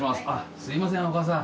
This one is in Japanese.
すみませんお母さん。